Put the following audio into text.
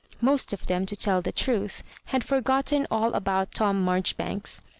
Most of them, to tell the truth, had forgotten all about Tom Marjoribanks.